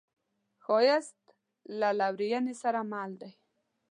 ښایست له لورینې سره مل دی